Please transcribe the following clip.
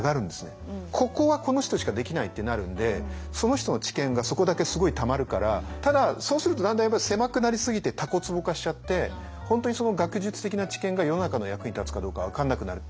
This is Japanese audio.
ここはこの人しかできないってなるんでその人の知見がそこだけすごいたまるからただそうするとだんだんやっぱり狭くなりすぎてたこつぼ化しちゃって本当にその学術的な知見が世の中の役に立つかどうか分かんなくなる。